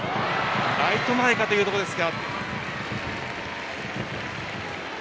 ライト前かというところでした。